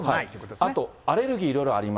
あとアレルギー、いろいろあると。